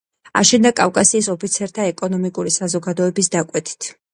აშენდა კავკასიის ოფიცერთა ეკონომიკური საზოგადოების დაკვეთით.